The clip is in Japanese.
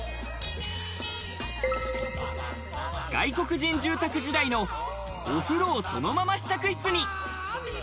外国人住宅時代のお風呂をそのまま試着室に。